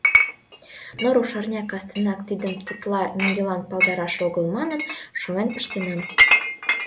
Но рушарня кастенак тидым тетла нигӧлан палдараш огыл манын шонен пыштенам.